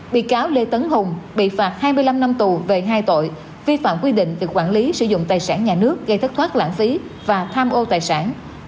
bị cáo lê tấn hùng bị phạt hai mươi năm năm tù về hai tội vi phạm quy định về quản lý sử dụng tài sản nhà nước gây thất thoát lãng phí và tham ô tài sản